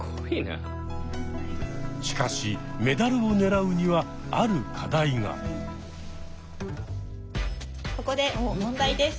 しかしメダルを狙うにはここで問題です。